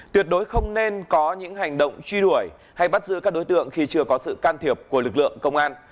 tuyệt đối không nên có những hành động truy đuổi hay bắt giữ các đối tượng khi chưa có sự can thiệp của lực lượng công an